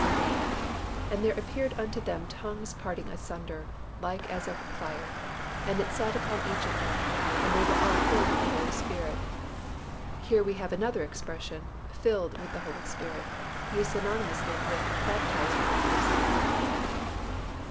we read, "And there appeared unto them tongues parting asunder, like as of fire; and it sat upon each one of them. And they were all filled with the Holy Spirit." Here we have another expression "filled with the Holy Spirit" used synonymously with "baptized with the Holy Spirit."